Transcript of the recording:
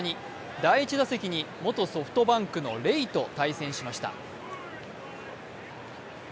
第１打席には元ソフトバンクのレイと対戦しました。